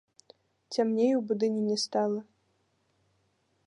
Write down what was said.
Цямней у будыніне стала.